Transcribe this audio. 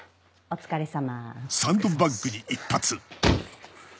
お疲れさまです。